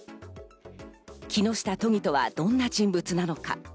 木下都議とはどんな人物なのか。